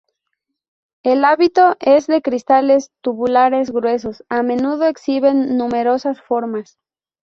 El hábito es de cristales tabulares gruesos; a menudo exhiben numerosas formas.